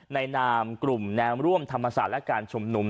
นามกลุ่มแนวร่วมธรรมศาสตร์และการชุมนุม